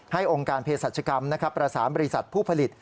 องค์การเพศรัชกรรมประสานบริษัทผู้ผลิต